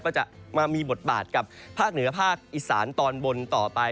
ก็จะมามีบทบาทกับภาคเหนือภาคอีสานตอนบนต่อไป